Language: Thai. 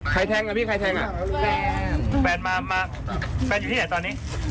แทงอ่ะพี่ใครแทงอ่ะแฟนแฟนมามาแฟนอยู่ที่ไหนตอนนี้